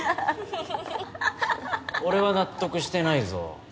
俺は納得してないぞ。